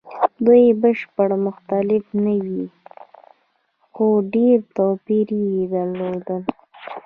دوی بشپړ مختلف نه وو؛ خو ډېر توپیرونه یې درلودل.